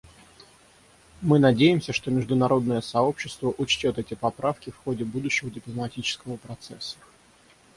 Мы надеемся, что международное сообщество учтет эти поправки в ходе будущего дипломатического процесса.